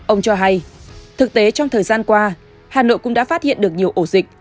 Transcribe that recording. ông cho hay thực tế trong thời gian qua hà nội cũng đã phát hiện được nhiều ổ dịch